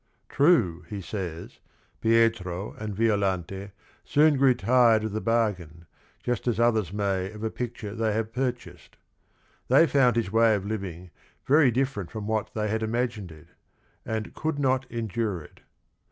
True, he says, Pietro and Violante soon grew tired of the bar gain, just as others may of a picture they have purchased. They found his way of living very different from what they had imagined it, and could not endure it.